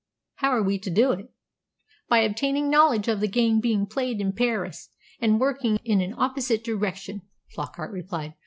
"How are we to do it?" "By obtaining knowledge of the game being played in Paris, and working in an opposite direction," Flockart replied.